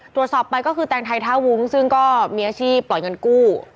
ตรวจสอบไปก็คือแตงไทยท่าวุ้งซึ่งก็มีอาชีพปล่อยเงินกู้